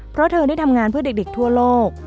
เพราะเธอได้ทำงานเพื่อเด็กทั่วโลก